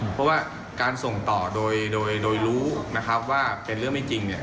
เพราะว่าการส่งต่อโดยโดยรู้นะครับว่าเป็นเรื่องไม่จริงเนี่ย